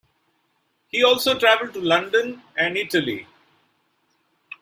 He also traveled to London and Italy.